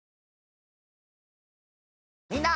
みんな。